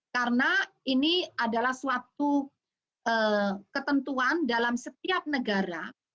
karena ini adalah suatu ketentuan dalam setiap negara